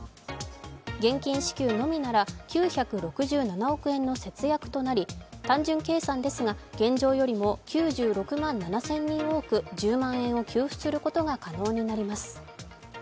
現金支給のみなら９６７億円の節約となり単純計算ですが現状よりも９６万７０００人多く１０万円を給付することが可能になります。